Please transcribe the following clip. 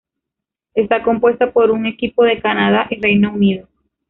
Está compuesta por un equipo de Canadá y Reino Unido.